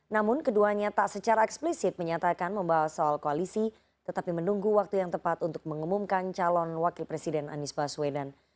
namun keduanya tak secara eksplisit menyatakan membahas soal koalisi tetapi menunggu waktu yang tepat untuk mengumumkan calon wakil presiden anies baswedan